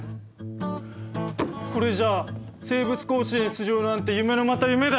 これじゃあ生物甲子園出場なんて夢のまた夢だよ。